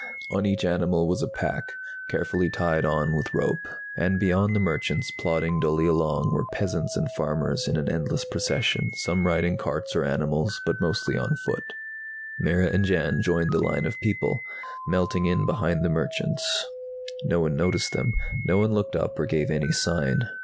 On each animal was a pack, carefully tied on with rope. And beyond the merchants, plodding dully along, were peasants and farmers in an endless procession, some riding carts or animals, but mostly on foot. Mara and Jan and Erick joined the line of people, melting in behind the merchants. No one noticed them; no one looked up or gave any sign.